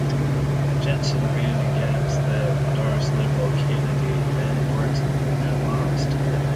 Jensen ran against the endorsed Liberal candidate Ben Morton and lost.